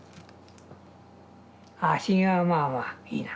ひげはまあまあいいな。